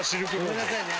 ごめんなさいね。